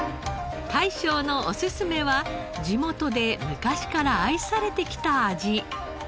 大将のおすすめは地元で昔から愛されてきた味。